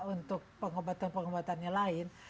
untuk pengobatan pengobatannya lain